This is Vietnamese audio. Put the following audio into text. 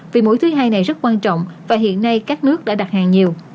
vì mối thứ hai này rất quan trọng và hiện nay các nước đã đặt hàng nhiều